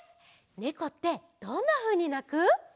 ねこってどんなふうになく？